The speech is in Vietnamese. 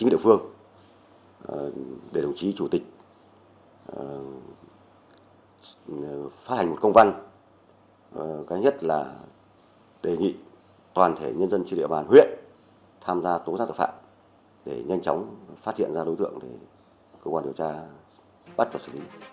đối tượng của công an điều tra bắt và xử lý